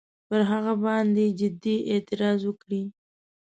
پر هغه باندي جدي اعتراض وکړي.